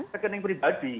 maksudnya rekening pribadi